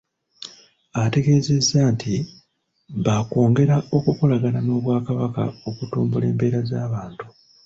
Ategeezezza nti baakwongera okukolagana n’Obwakabaka okutumbula embeera z’abantu.